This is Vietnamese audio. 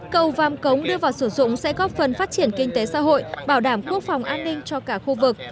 cầu vàm cống đưa vào sử dụng sẽ góp phần phát triển kinh tế xã hội bảo đảm quốc phòng an ninh cho cả khu vực